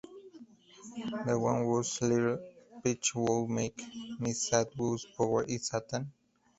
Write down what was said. The one whose little path would make me sad, whose power is Satan.